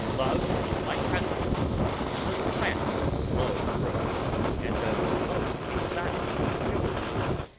Love, like confidence, is a plant of slow growth, and of most exotic fragility.